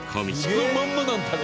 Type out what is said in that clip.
そのまんまなんだね。